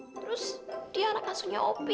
terus dia anak asuhnya opi